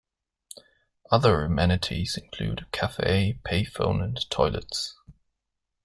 Other amenities include a cafe, payphone and toilets.